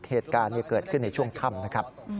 เหตุการณ์เกิดขึ้นในช่วงค่ำนะครับ